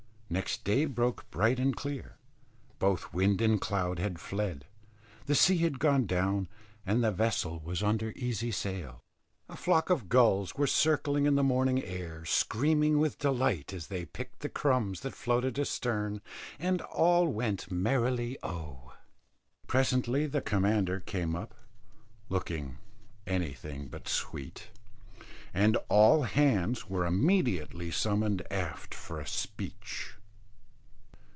Next day broke bright and clear; both wind and cloud had fled; the sea had gone down, and the vessel was under easy sail. A flock of gulls were circling in the morning air, screaming with delight as they picked the crumbs that floated astern; and all went merrily oh! Presently the commander came up, looking anything but sweet; and all hands were immediately summoned aft for a speech.